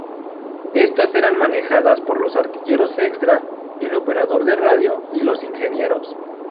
Estas eran manejadas por los artilleros extra, el operador de radio y los ingenieros.